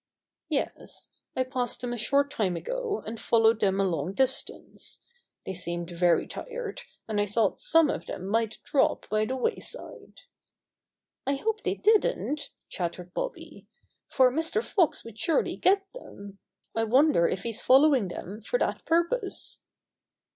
"Yes, I passed them a short time ago, and followed them a long distance. They seemed 100 106 Bobby Gray Squirrel's Adventures very tired, and I thought some of them might drop by the wayside." "I hope they didn't," chattered Bobby, "for Mr. Fox would surely get them. I wonder if he's following them for that purpose."